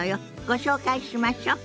ご紹介しましょ。